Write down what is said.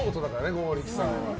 剛力さんは。